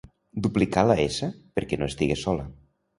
Duplicà la essa perquè no estigués sola.